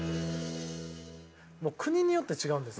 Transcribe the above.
国によって違うんです。